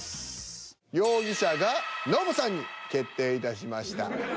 容疑者がノブさんに決定いたしました。